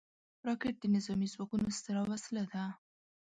راکټ د نظامي ځواکونو ستره وسله ده